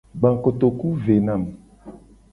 Gba kotoku ve na mu.